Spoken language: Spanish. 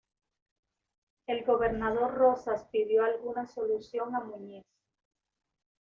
El gobernador Rosas pidió alguna solución a Muñiz.